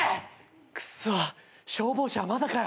くそっ消防車はまだかよ。